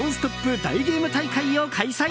大ゲーム大会を開催！